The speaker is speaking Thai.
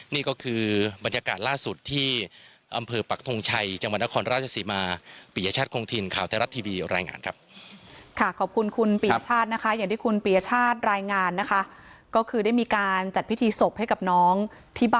นี่ก็คือบรรยากาศล่าสุดที่อำเภอปักธงชัยจังหวัดนครราชสิมาปียชาติคงทินข่าวเทราสทีวีรายงานครับ